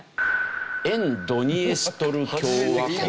沿ドニエストル共和国。